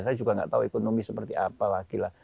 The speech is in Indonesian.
saya juga nggak tahu ekonomi seperti apa lagi lah